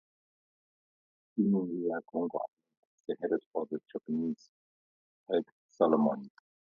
Steaming via the Tonga Islands, they headed for the Japanese held Solomons.